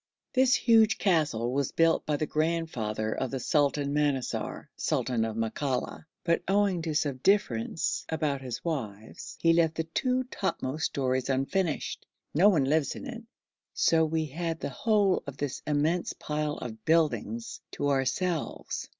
This huge castle was built by the grandfather of the Sultan Manassar, sultan of Makalla, but, owing to some difference about his wives, he left the two topmost stories unfinished. No one lives in it, so we had the whole of this immense pile of buildings to ourselves.